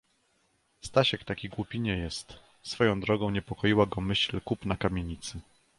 "Stasiek taki głupi nie jest...“ Swoją drogą niepokoiła go myśl kupna kamienicy."